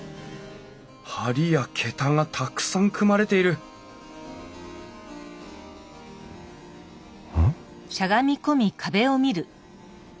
梁や桁がたくさん組まれているうん？